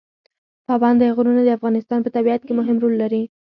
پابندی غرونه د افغانستان په طبیعت کې مهم رول لري.